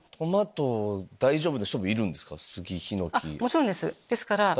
もちろんです。